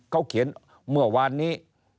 เขาเขียนเมื่อวานนี้